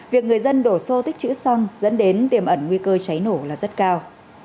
việc người dân đổ xô tích chữ xăng dẫn đến tiềm ẩn nguy cơ cháy nổ là rất cao